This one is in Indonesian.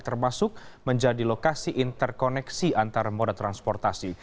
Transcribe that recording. termasuk menjadi lokasi interkoneksi antar moda transportasi